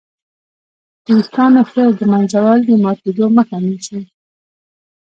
د وېښتانو ښه ږمنځول د ماتېدو مخه نیسي.